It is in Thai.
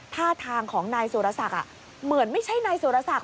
ท่าทางของนายสุรศักดิ์เหมือนไม่ใช่นายสุรศักดิ